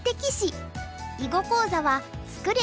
囲碁講座は「作れ！